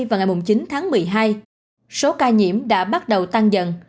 vào ngày chín tháng một mươi hai số ca nhiễm đã bắt đầu tăng dần